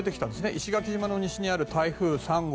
石垣島の西にある台風３号。